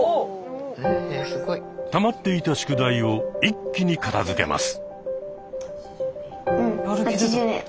たまっていた宿題を一気に片づけます。